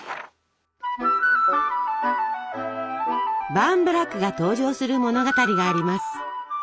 バーンブラックが登場する物語があります。